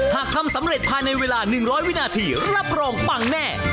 หากทำสำเร็จภายในเวลา๑๐๐วินาทีรับรองปังแน่